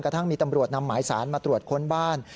ทั้งมีตำรวจนำหมายสารมาตรวจค้นบ้าน